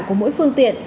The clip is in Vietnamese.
của mỗi phương tiện